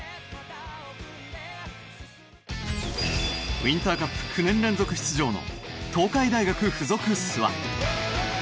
ウインターカップ９年連続出場の東海大学付属諏訪。